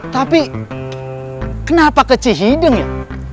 tapi kenapa ke cihideng ya